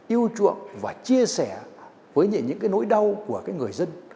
yêu chuộng và chia sẻ với những cái nỗi đau của cái người dân